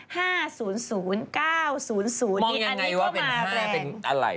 มองยังไงว่าเป็น๕เป็นอะไร